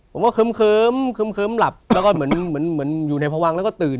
ผมก็เคิ่มเคิ่มเสือหลับแล้วก็เหมือนคนอยู่ในพระวังแล้วก็ตื่น